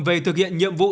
về thực hiện nhiệm vụ